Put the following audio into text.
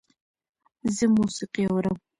زه موسیقي اورم